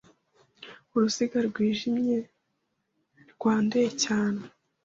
Uruziga rwijimye, rwanduye cyanw